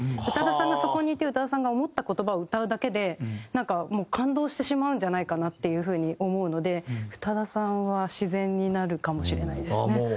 宇多田さんがそこにいて宇多田さんが思った言葉を歌うだけでなんかもう感動してしまうんじゃないかなっていう風に思うので宇多田さんは自然になるかもしれないですね。